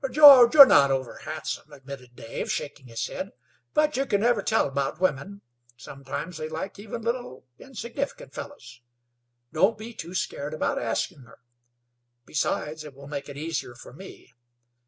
"George, you're not over handsome," admitted Dave, shaking his head. "But you can never tell about women. Sometimes they like even little, insignificant fellows. Don't be too scared about asking her. Besides, it will make it easier for me.